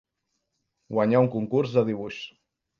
Guanyar un concurs de dibuix.